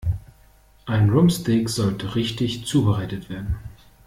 Ein Rumpsteak sollte richtig zubereitet werden.